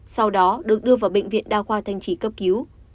sau đó được đưa vào bệnh viện đa khoa thanh trì cấp cứu